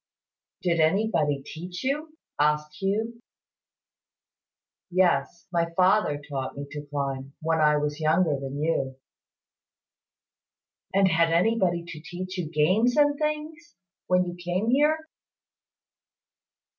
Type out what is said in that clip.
"Did anybody teach you?" asked Hugh. "Yes; my father taught me to climb, when I was younger than you." "And had you anybody to teach you games and things, when you came here?"